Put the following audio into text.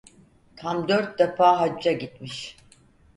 Tam dört defa hacca gitmiş.